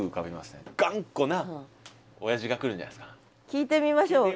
聞いてみましょう。